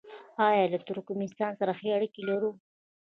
آیا له ترکمنستان سره ښې اړیکې لرو؟